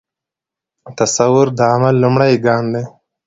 تصور د عمل لومړی ګام دی.